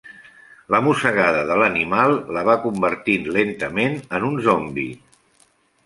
La mossegada de l'animal la va convertint lentament en un zombi.